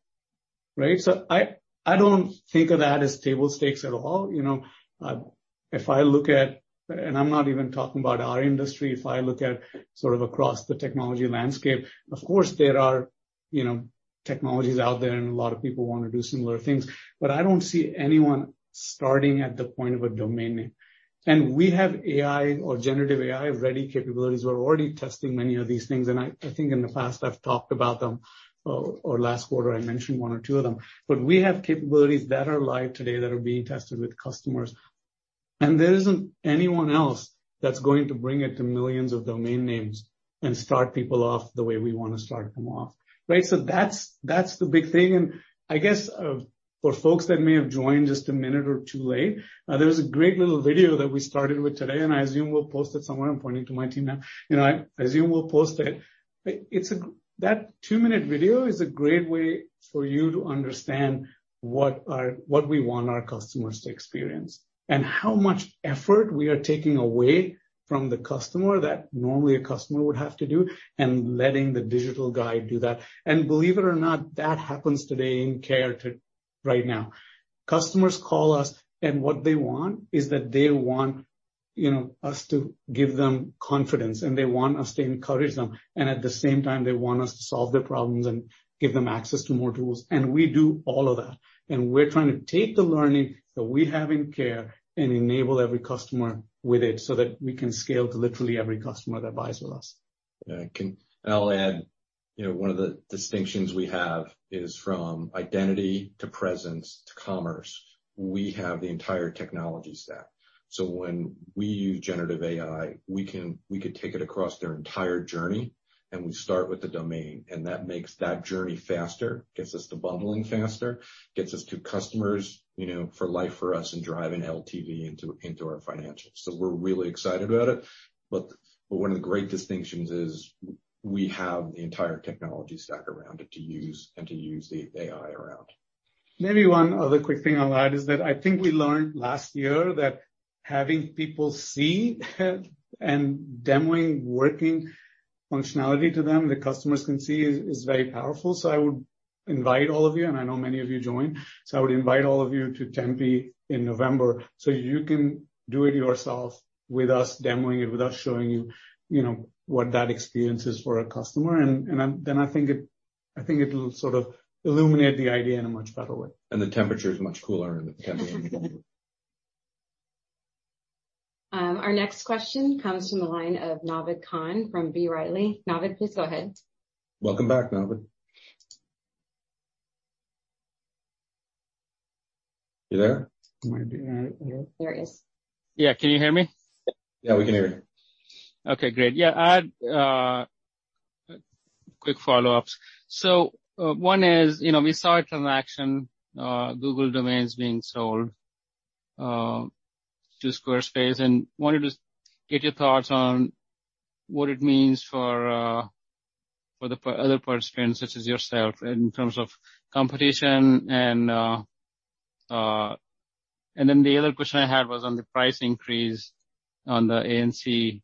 Right? I, I don't think of that as table stakes at all. You know, if I look at... I'm not even talking about our industry, if I look at sort of across the technology landscape, of course, there are, you know, technologies out there, and a lot of people wanna do similar things, but I don't see anyone starting at the point of a domain name. We have AI or generative AI-ready capabilities. We're already testing many of these things, and I, I think in the past I've talked about them, or last quarter I mentioned one or two of them. We have capabilities that are live today that are being tested with customers, and there isn't anyone else that's going to bring it to millions of domain names and start people off the way we want to start them off, right? That's, that's the big thing. I guess, for folks that may have joined just a minute or two late, there was a great little video that we started with today, and I assume we'll post it somewhere. I'm pointing to my team now. You know, I assume we'll post it, but it's a... That two-minute video is a great way for you to understand what our what we want our customers to experience, and how much effort we are taking away from the customer that normally a customer would have to do, and letting the Digital Guide do that. Believe it or not, that happens today in Care to right now. Customers call us, and what they want is that they want, you know, us to give them confidence, and they want us to encourage them, and at the same time, they want us to solve their problems and give them access to more tools. We do all of that. We're trying to take the learning that we have in care and enable every customer with it so that we can scale to literally every customer that buys with us. Yeah, I'll add, you know, one of the distinctions we have is from identity to presence to commerce. We have the entire technology stack. When we use generative AI, we could take it across their entire journey, we start with the domain, that makes that journey faster, gets us to bundling faster, gets us to customers, you know, for life, for us, and driving LTV into, into our financials. We're really excited about it. But one of the great distinctions is we have the entire technology stack around it to use and to use the AI around. Maybe one other quick thing I'll add is that I think we learned last year that having people see and demoing working functionality to them, the customers can see is very powerful. I would invite all of you, and I know many of you joined, I would invite all of you to Tempe in November so you can do it yourself with us, demoing it, with us, showing you, you know, what that experience is for a customer. I think it, I think it'll sort of illuminate the idea in a much better way. The temperature is much cooler in Tempe. Our next question comes from the line of Naved Khan from B. Riley. Naved, please go ahead. Welcome back, Naved. You there? Might be. There he is. Yeah. Can you hear me? Yeah, we can hear you. Okay, great. Yeah, I had, quick follow-ups. One is, you know, we saw a transaction, Google Domains being sold, to Squarespace, and wanted to get your thoughts on what it means for, for the Other participants, such as yourself, in terms of competition. Then the other question I had was on the price increase on the A&C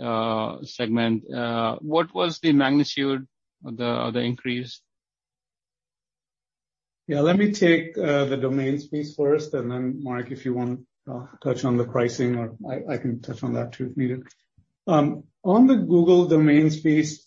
segment. What was the magnitude of the, the increase? Yeah, let me take the domain space first, and then, Mark, if you want, touch on the pricing, or I, I can touch on that, too, if needed. On the Google domain space,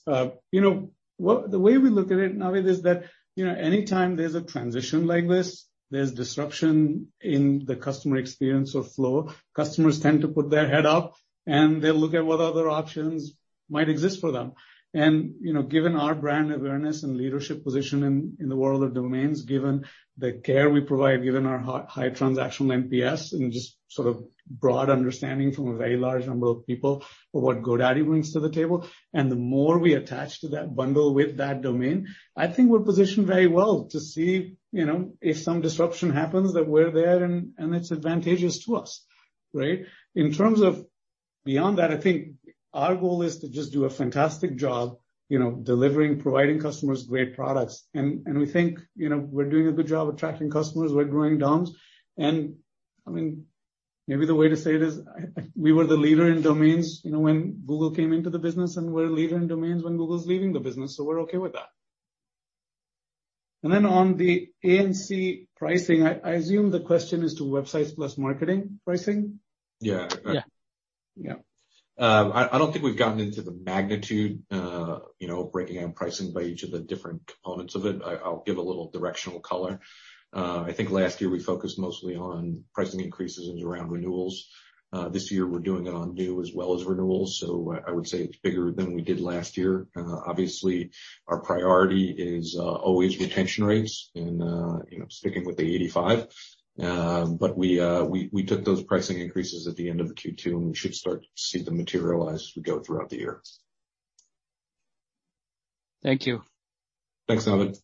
you know, The way we look at it, Naved, is that, you know, anytime there's a transition like this, there's disruption in the customer experience or flow. Customers tend to put their head up, and they look at what other options might exist for them. You know, given our brand awareness and leadership position in, in the world of domains, given the care we provide, given our high transactional NPS and just sort of broad understanding from a very large number of people of what GoDaddy brings to the table, and the more we attach to that bundle with that domain, I think we're positioned very well to see, you know, if some disruption happens, that we're there and, and it's advantageous to us, right? In terms of beyond that, I think our goal is to just do a fantastic job, you know, delivering, providing customers great products. We think, you know, we're doing a good job attracting customers. We're growing DOMs. I mean, maybe the way to say it is, we were the leader in domains, you know, when Google came into the business, and we're the leader in domains when Google's leaving the business, we're okay with that. Then on the A&C pricing, I assume the question is to Websites + Marketing pricing? Yeah. Yeah. Yeah. I, I don't think we've gotten into the magnitude, you know, breaking out pricing by each of the different components of it. I, I'll give a little directional color. I think last year we focused mostly on pricing increases around renewals. This year we're doing it on new as well as renewals, so I would say it's bigger than we did last year. Obviously, our priority is always retention rates and, you know, sticking with the 85. We, we, we took those pricing increases at the end of the Q2, and we should start to see them materialize as we go throughout the year. Thank you. Thanks, Naved.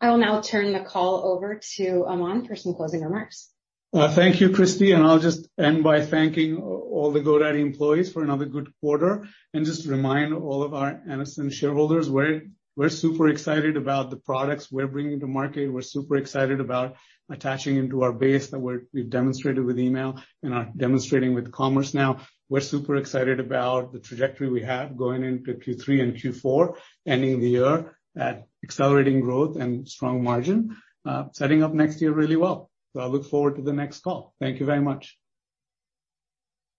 I will now turn the call over to Aman for some closing remarks. Thank you, Christie, and I'll just end by thanking all the GoDaddy employees for another good quarter. Just remind all of our analysts and shareholders, we're, we're super excited about the products we're bringing to market. We're super excited about attaching into our base that we've demonstrated with email and are demonstrating with commerce now. We're super excited about the trajectory we have going into Q3 and Q4, ending the year at accelerating growth and strong margin. Setting up next year really well. I look forward to the next call. Thank you very much.